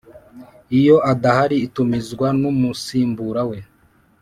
iyo adahari itumizwa n umusimbura we